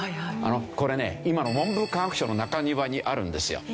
これね今の文部科学省の中庭にあるんですよ。